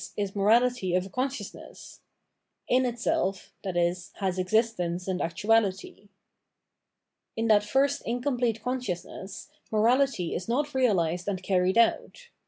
is morahty of a con sciousness : in itself, i.e. has existence and actuahty. In that first incomplete consciousness, morality is not realised and carried out.